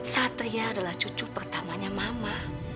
satenya adalah cucu pertamanya mama